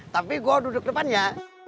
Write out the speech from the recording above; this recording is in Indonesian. tapi gua duduk depannya